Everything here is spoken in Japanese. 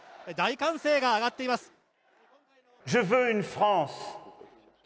大歓声が上がっています。